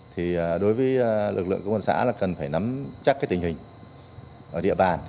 thì đối với lực lượng của quân xã là cần phải nắm chắc tình hình ở địa bàn